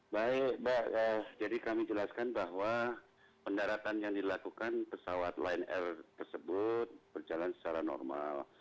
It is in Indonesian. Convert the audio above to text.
baik mbak jadi kami jelaskan bahwa pendaratan yang dilakukan pesawat lion air tersebut berjalan secara normal